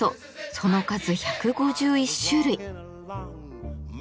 その数１５１種類。